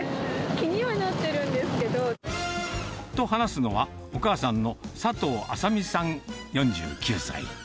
気にはなっているんでと、話すのは、お母さんの佐藤麻美さん４９歳。